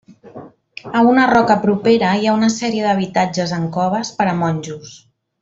A una roca propera hi ha una sèrie d'habitatges en coves per a monjos.